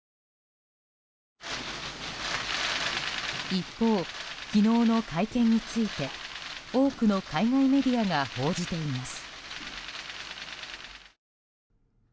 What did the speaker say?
一方、昨日の会見について多くの海外メディアが報じています。